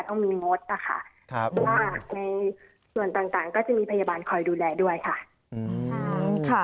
ต้องมีงดนะคะเพราะว่าในส่วนต่างก็จะมีพยาบาลคอยดูแลด้วยค่ะ